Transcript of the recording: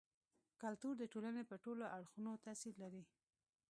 کلتور د ټولني پر ټولو اړخونو تاثير لري.